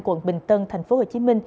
quận bình tân tp hcm